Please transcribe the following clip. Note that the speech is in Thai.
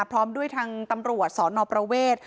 พร้อมด้วยทางตำรวจสนประเวท